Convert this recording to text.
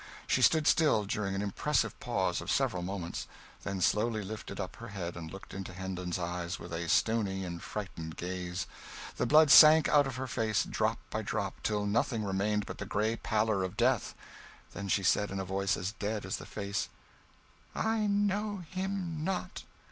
She stood still, during an impressive pause of several moments; then slowly lifted up her head and looked into Hendon's eyes with a stony and frightened gaze; the blood sank out of her face, drop by drop, till nothing remained but the grey pallor of death; then she said, in a voice as dead as the face, "I know him not!"